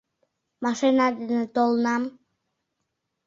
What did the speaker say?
Машина дене толынам.